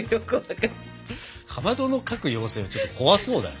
かまどの描く妖精はちょっと怖そうだな。